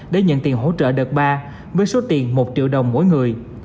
để nhận tiền hỗ trợ đợt ba với số tiền một triệu đồng mỗi người